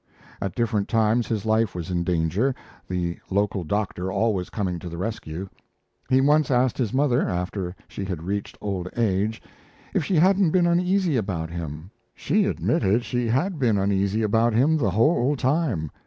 At different times his life was in danger, the local doctor always coming to the rescue. He once asked his mother, after she had reached old age, if she hadn't been uneasy about him. She admitted she had been uneasy about him the whole time.